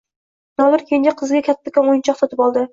Nodir kenja qiziga kattakon o‘yinchoq sotib oldi.